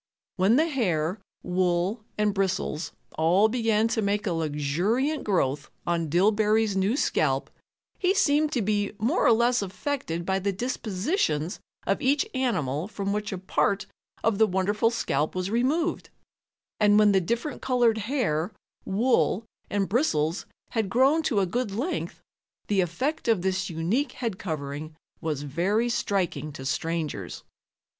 When the hair, wool and bristles all began to make a luxuriant growth on Dillbery's new scalp, he seemed to be more or less affected by the dispositions of each animal from which a part of the wonderful scalp was removed, and when the different colored hair, wool and bristles had grown to a good length the effect of this unique head covering was very striking to strangers.